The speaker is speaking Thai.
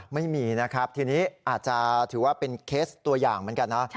ไม่มีนะครับทีนี้อาจจะถือว่าเป็นเคสตัวอย่างเหมือนกันนะ